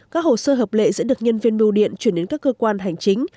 các hồ sơ hợp lệ sẽ được nhân viên biêu điện chuyển đến các cơ quan hành chính